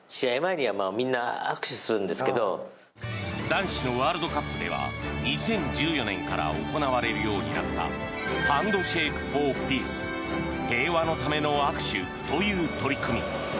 男子のワールドカップでは２０１４年から行われるようになったハンドシェイク・フォー・ピース平和のための握手という取り組み。